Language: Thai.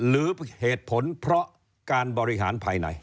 หรือเหตุผลเพราะการบริหารภายใน